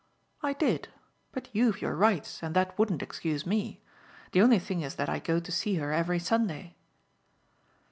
"I did, but you've your rights, and that wouldn't excuse me. The only thing is that I go to see her every Sunday."